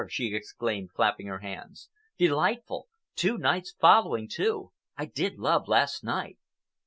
she exclaimed, clapping her hands. "Delightful! Two nights following, too! I did love last night."